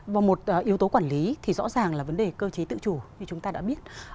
và một yếu tố quản lý thì rõ ràng là vấn đề cơ chế tự chủ như chúng ta đã biết